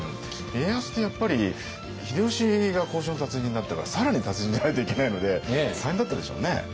家康ってやっぱり秀吉が交渉の達人だったから更に達人じゃないといけないので大変だったでしょうね。